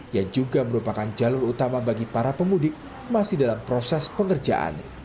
yang juga merupakan jalur utama bagi para pemudik masih dalam proses pengerjaan